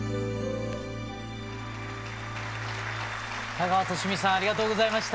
田川寿美さんありがとうございました。